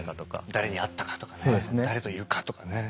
「誰に会ったか」とかね「誰といるか」とかね。